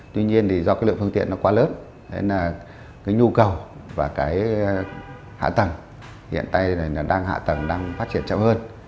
tuy nhiên thì do cái lượng phương tiện nó quá lớn nên là cái nhu cầu và cái hạ tầng hiện nay nó đang hạ tầng đang phát triển chậm hơn